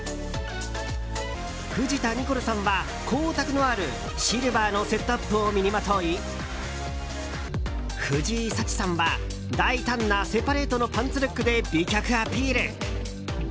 藤田ニコルさんは光沢のある、シルバーのセットアップを身にまとい藤井サチさんは大胆なセパレートのパンツルックで美脚アピール。